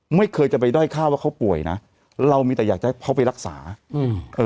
ไม่เคยจะไปด้อยค่าว่าเขาป่วยนะเรามีแต่อยากจะให้เขาไปรักษาอืมเออ